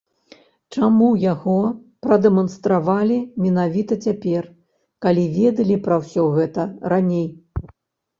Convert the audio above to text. Чаму яго прадэманстравалі менавіта цяпер, калі ведалі пра ўсё гэта раней?